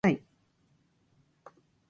今日は雨で外に出るのが面倒くさい